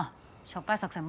しょっぱい作戦